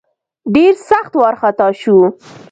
ډېر سخت وارخطا سو.